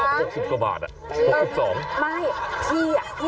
ก็หกสิบกว่าบาทอ่ะหกสิบสองไม่เหี้ยเหี้ยเท่าไร